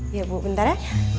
iya bu bentar ya